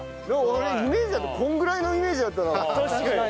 俺イメージだとこのぐらいのイメージだったな。